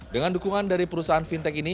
dengan dukungan dari perusahaan fintech ini